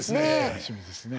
楽しみですね。